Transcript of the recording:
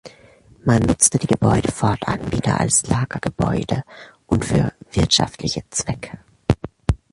Man nutzte die Gebäude fortan wieder als Lagergebäude und für wirtschaftliche Zwecke.